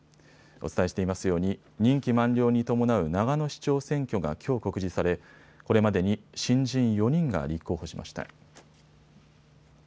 お伝えしていますように任期満了に伴う長野市長選挙がきょう告示されこれまでに新人４人が立候補しました。